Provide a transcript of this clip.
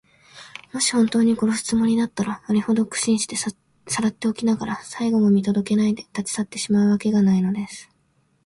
もしほんとうに殺すつもりだったら、あれほど苦心してさらっておきながら、最期も見とどけないで、たちさってしまうわけがないのです。